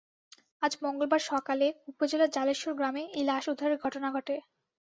আজ মঙ্গলবার সকালে উপজেলার জালেশ্বর গ্রামে এই লাশ উদ্ধারের ঘটনা ঘটে।